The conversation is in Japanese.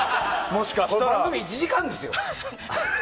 この番組１時間ですよ。